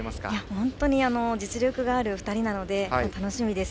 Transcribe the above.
本当に実力がある２人なので楽しみです。